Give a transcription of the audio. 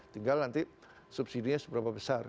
tinggal nanti subsidi nya seberapa besar